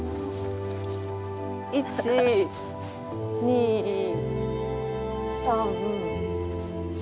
１２３４。